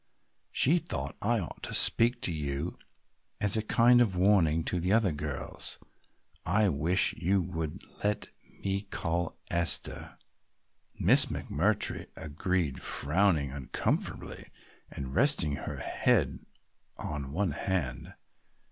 She thought I ought to speak to you as a kind of warning to the other girls. I wish you would let me call Esther." Miss McMurtry agreed, frowning uncomfortably and resting her head on one hand.